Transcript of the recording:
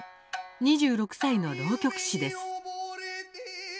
２６歳の浪曲師です。